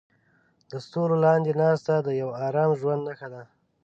د ستورو لاندې ناسته د یو ارام ژوند نښه ده.